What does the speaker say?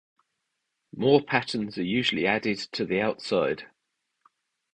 More patterns are usually added to the outside.